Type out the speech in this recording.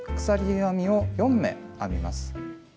鎖編みを４目編みます。